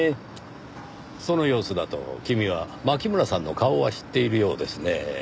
その様子だと君は牧村さんの顔は知っているようですねぇ。